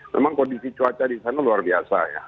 memang kondisi cuaca di sana luar biasa ya